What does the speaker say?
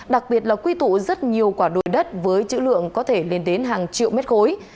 đặc biệt là quy tụ rất nhiều quả đồi đất với chữ lượng có thể lên đến hàng triệu mét khối